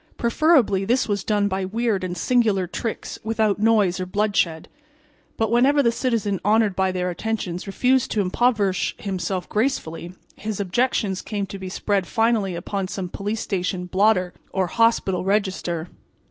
Preferably this was done by weird and singular tricks without noise or bloodshed; but whenever the citizen honored by their attentions refused to impoverish himself gracefully his objections came to be spread finally upon some police station blotter or hospital register.